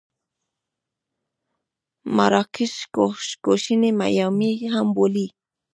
مراکش کوشنۍ میامي هم بولي.